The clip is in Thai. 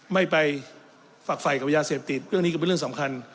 ไม่ไปฝักไฟกับยาเสพติดเรื่องนี้ก็เป็นเรื่องสำคัญ